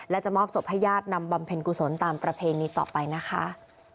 และจะมอบศพให้ญาตินำบำเพ็ญกุศลตามประเพณีต่อไปนะคะ